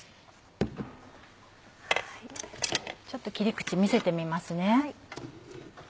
ちょっと切り口見せてみますね。